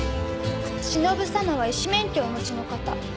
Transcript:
忍さまは医師免許をお持ちの方。